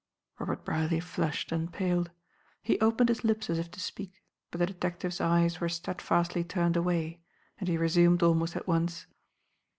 Robert Brierly flushed and paled. He opened his lips as if to speak, but the detective's eyes were steadfastly turned away, and he resumed almost at once.